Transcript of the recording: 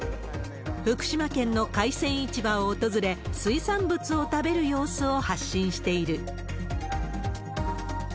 福島県の海鮮市場を訪れ、水産物を食べる様子を発信している。